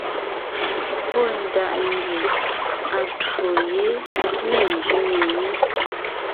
Pɔ́ ndaʼ ngie atwó yé ne ńzẅíŋe yé.